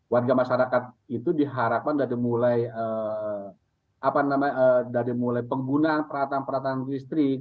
warga masyarakat itu diharapkan dari mulai dari mulai penggunaan peralatan peralatan listrik